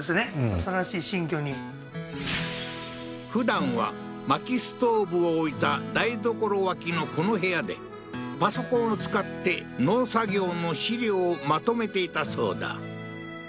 新しい新居にふだんは薪ストーブを置いた台所脇のこの部屋でパソコンを使って農作業の資料をまとめていたそうだ